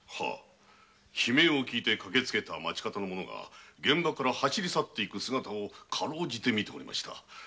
悲鳴を聞いてかけつけた町方の者が現場から走り去って行く姿をかろうじて見ておりました。